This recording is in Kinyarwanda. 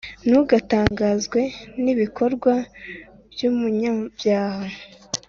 Ntugatangazwe n’ibikorwa by’umunyabyaha,